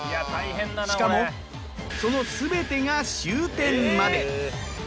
しかもそのすべてが終点まで。